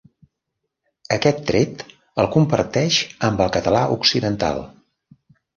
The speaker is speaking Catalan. Aquest tret el comparteix amb el català occidental.